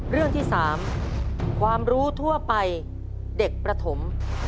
เรื่องที่๓ความรู้ทั่วไปเด็กประถม